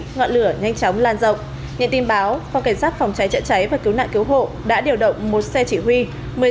ngọn lửa nhanh chóng lan rộng nhà tin báo phòng kiến sát phòng cháy trợ cháy và cứu nạn cứu hộ đã điều động một xe chỉ huy